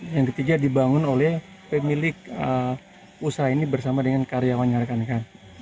yang ketiga dibangun oleh pemilik usaha ini bersama dengan karyawannya rekan rekan